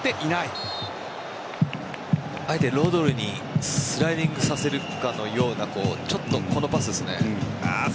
あえてロドリにスライディングさせるかのようなちょっとこのパスですね。